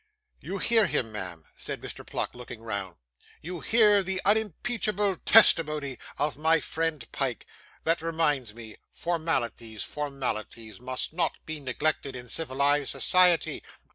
'You hear him, ma'am?' said Mr. Pluck, looking round; 'you hear the unimpeachable testimony of my friend Pyke that reminds me, formalities, formalities, must not be neglected in civilised society.